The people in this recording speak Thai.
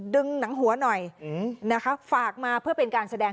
ดึงหนังหัวหน่อยนะคะฝากมาเพื่อเป็นการแสดง